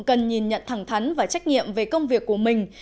cần nhìn nhận thẳng thắn và trách nhiệm về công việc của mình